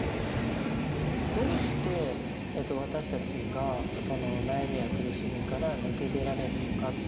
どうして私たちが悩みや苦しみから抜け出られるのか